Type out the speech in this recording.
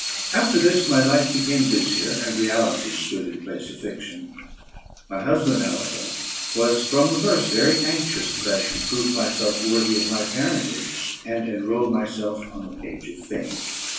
After this my life became busier, and reality stood in place of fiction. My husband, however, was from the first, very anxious that I should prove myself worthy of my parentage, and enrol myself on the page of fame.